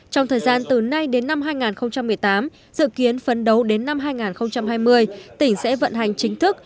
trong thời gian từ nay đến năm hai nghìn một mươi tám dự kiến phấn đấu đến năm hai nghìn hai mươi tỉnh sẽ vận hành chính thức